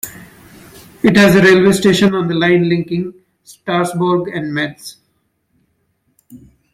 It has a railway station on the line linking Strasbourg and Metz.